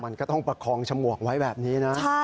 มันก็ต้องประคองฉมวกไว้แบบนี้นะ